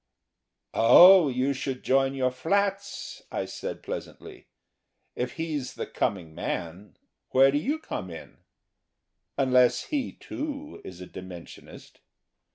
"Oh, you should join your flats," I said, pleasantly. "If he's the coming man, where do you come in?... Unless he, too, is a Dimensionist."